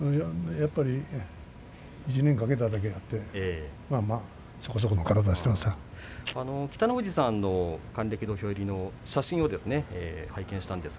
やっぱり１年かけただけあって北の富士さんの還暦のときの土俵入りの写真を拝見しました。